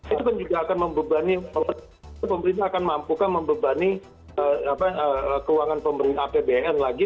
itu kan juga akan membebani pemerintah akan mampukah membebani keuangan apbn lagi